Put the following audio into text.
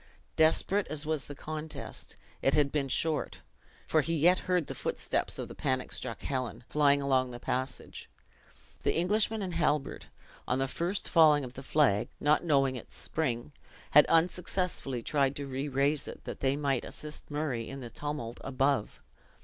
Desperate as was the contest, it had been short; for he yet heard the footsteps of the panic struck Helen, flying along the passage. The Englishman and Halbert, on the first falling of the flag, not knowing its spring, had unsuccessfully tried to re raise it, that they might assist Murray in the tumult above.